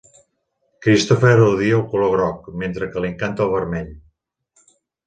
Christopher odia el color groc, mentre que li encanta el vermell.